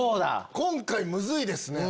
今回ムズいですね。